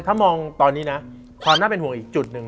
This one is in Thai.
ถ้ามองตอนนี้นะความน่าเป็นห่วงอีกจุดหนึ่ง